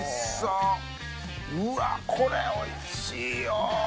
うわっこれおいしいよ！